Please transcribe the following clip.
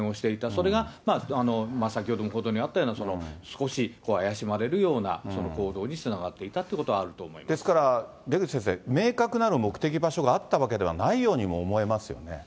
それが先ほどの報道にあったような、少し怪しまれるような行動につながっていたということがあると思ですから出口先生、明確なる目的場所があったのではないようにも思えますよね。